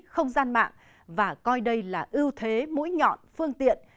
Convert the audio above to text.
không gian mạng và coi đây là ưu thế mũi nhọn phương tiện